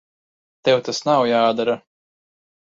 Tev tas nav jādara.